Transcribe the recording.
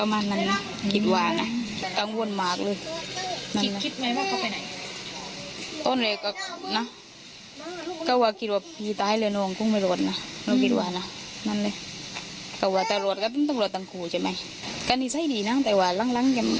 มันนั่นใช่ไหมติดยาแล้วมันนั่นใช่ไหม